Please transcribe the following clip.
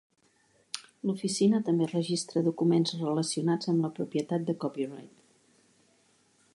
L'oficina també registra documents relacionats amb la propietat de copyright.